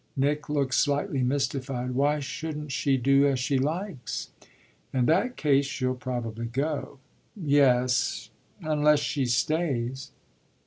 Nick looked slightly mystified. "Why shouldn't she do as she likes?" "In that case she'll probably go." "Yes, unless she stays."